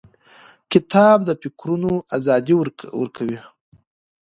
کتاب د فکرونو ازادي ورکوي.